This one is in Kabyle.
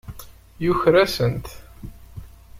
Yuker-asent.